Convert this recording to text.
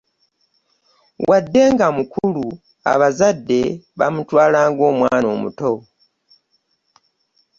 Wadde nga mukulu abazadde bamutwala nga omwana omuto.